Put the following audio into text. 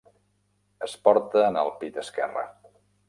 Es porta en el pit esquerre.